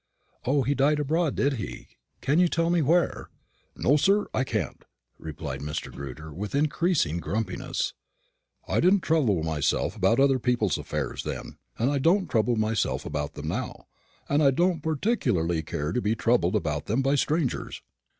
"O, he died abroad, did he? Can you tell me where?" "No, sir, I can't," replied Mr. Grewter, with increasing grumpiness; "I didn't trouble myself about other people's affairs then, and I don't trouble myself about them now, and I don't particularly care to be troubled about them by strangers."